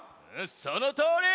そのとおり！